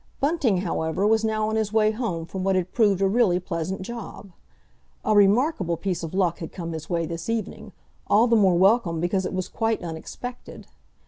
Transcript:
Bunting, however, was now on his way home from what had proved a really pleasant job. A remarkable piece of luck had come his way this evening, all the more welcome because it was quite unexpected!